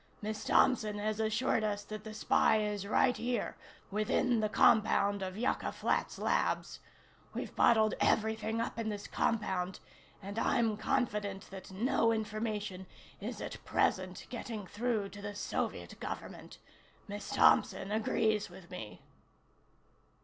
Miss Thompson has assured us that the spy is right here, within the compound of Yucca Flats Labs. We've bottled everything up in this compound, and I'm confident that no information is at present getting through to the Soviet Government. Miss Thompson agrees with me."